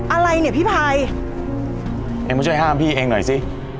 อะไรเนี่ยพี่ภัยเองมาช่วยห้ามพี่เองหน่อยสิ